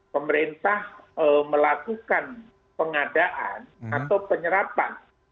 pemerintah melakukan pengadaan atau penyerapan